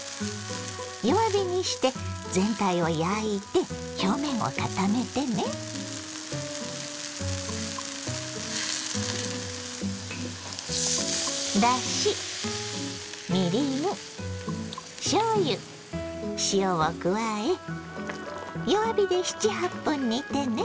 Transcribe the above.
弱火にして全体を焼いて表面を固めてね。を加え弱火で７８分煮てね。